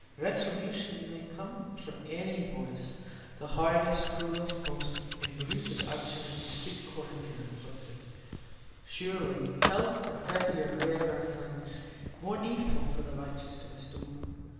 Retribution may come from any voice; the hardest, cruelest, most imbruted urchin at the street corner can inflict it; surely help and pity are rarer things, more needful for the righteous to bestow.